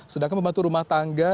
sedangkan membantu rumah tangga